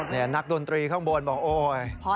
นี่นักดนตรีข้างบนบอกโอ๊ย